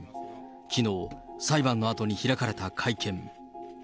きのう、裁判のあとに開かれた会見。